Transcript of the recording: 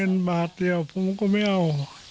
เป็นบาทเดียวผมก็ไม่เอา